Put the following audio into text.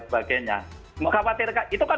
sebagainya khawatir kak itu kan